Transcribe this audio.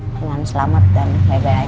dengan selamat dan bye bye aja